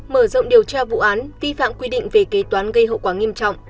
mở rộng điều tra vụ án vi phạm quy định về kế toán gây hậu quả nghiêm trọng